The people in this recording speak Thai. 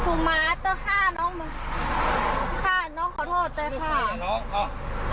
สุมมาสต์ต้องฆ่าน้องมาฆ่าน้องขอโทษตัวค่ะ